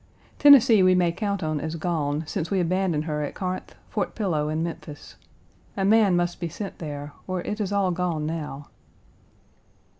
Tennessee we may count on as gone, since we abandoned her at Corinth, Fort Pillow, and Memphis. A man must be sent there, or it is all gone now.